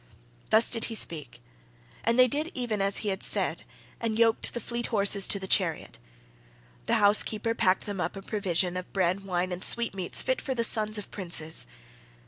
Thus did he speak, and they did even as he had said, and yoked the fleet horses to the chariot. The housekeeper packed them up a provision of bread, wine, and sweet meats fit for the sons of princes.